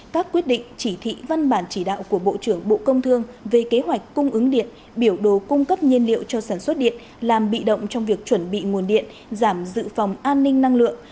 các quyết định chỉ thị văn bản chỉ đạo của bộ trưởng bộ công thương về kế hoạch cung ứng điện biểu đồ cung cấp nhiên liệu cho sản xuất điện làm bị động trong việc chuẩn bị nguồn điện giảm dự phòng an ninh năng lượng